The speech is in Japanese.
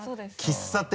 喫茶店。